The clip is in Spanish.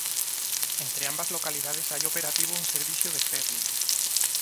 Entre ambas localidades hay operativo un servicio de "ferry".